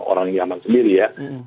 orang yang nyaman sendiri ya